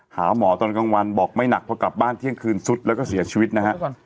หาหมอตอนกลางวันบอกไม่หนักเพราะกลับบ้านเที่ยงคืนซุดแล้วก็เสียชีวิตนะฮะ